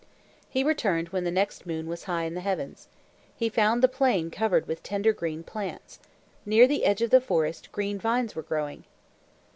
He returned when the next moon was high in the heavens. He found the plain covered with tender green plants. Near the edge of the forest green vines were growing.